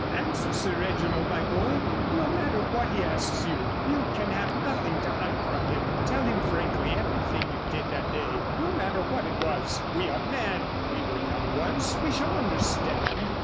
"Answer Sir Reginald, my boy, no matter what he asks you. You can have nothing to hide from him. Tell him frankly everything you did that day, no matter what it was.... We are men, we were young once; we shall understand."